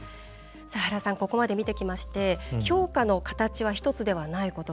原さん、ここまで見てきまして評価の形が１つではないこと。